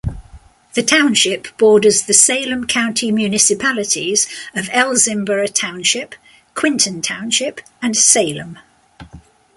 The township borders the Salem County municipalities of Elsinboro Township, Quinton Township and Salem.